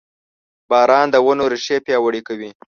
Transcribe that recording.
• باران د ونو ریښې پیاوړې کوي.